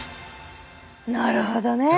なるほどね。